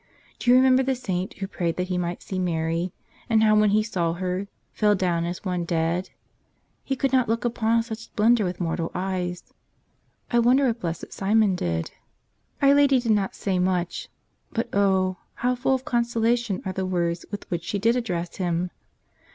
Do you remember the saint who prayed that he might see Mary, and how when he saw her fell down as one dead? He could not look upon such splendor with mortal eyes. I wonder what Blessed Simon did. Our Lady did not say much. But oh ! how full of consolation are the words with which she did address him.